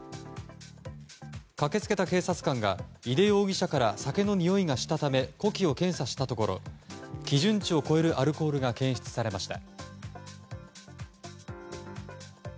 駆けつけた警察官が井手容疑者から酒のにおいがしたため呼気を検査したところ基準値を超えるアルコールが検出されました。